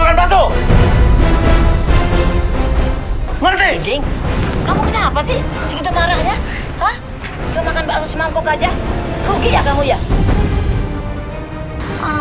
makan bakso ngerti ngerti apa sih